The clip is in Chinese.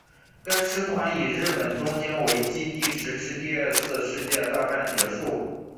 该师团以日本东京为基地直至第二次世界大战结束。